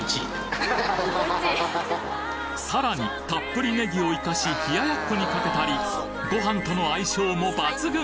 さらにたっぷりネギを生かし冷奴にかけたりご飯との相性も抜群！